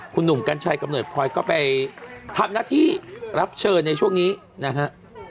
คุณหนุ่มกัญชัยกำเนิดพลอยก็ไปทำหน้าที่รับเชิญในช่วงนี้นะฮะ